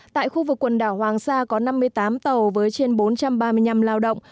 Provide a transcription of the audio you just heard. tại khu vực quần đảo hoàng sa có năm mươi tám tàu với trên bốn trăm ba mươi năm lao động